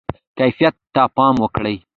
کیفیت ته پام وکړئ